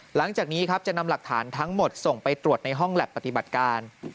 หลังจากนี้ครับจะนำหลักฐานทั้งหมดส่งไปตรวจในห้องแล็บปฏิบัติการ